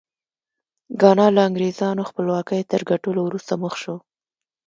ګانا له انګرېزانو خپلواکۍ تر ګټلو وروسته مخ شو.